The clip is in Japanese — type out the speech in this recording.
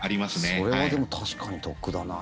それはでも確かに得だな。